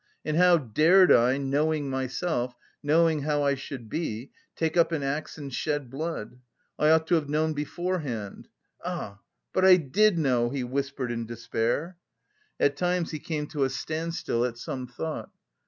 "And how dared I, knowing myself, knowing how I should be, take up an axe and shed blood! I ought to have known beforehand.... Ah, but I did know!" he whispered in despair. At times he came to a standstill at some thought.